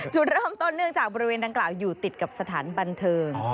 จุดเริ่มต้นเนื่องจากบริเวณดังกล่าวอยู่ติดกับสถานบันเทิง